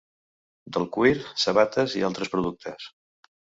Del cuir sabates i altres productes.